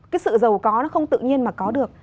cái sự giàu có nó không tự nhiên mà có được